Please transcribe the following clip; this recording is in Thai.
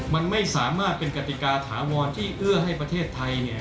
มันไม่สามารถเป็นกติกาถาวรที่เอื้อให้ประเทศไทย